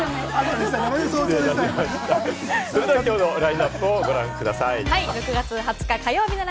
それでは、きょうのラインナップをご覧ください。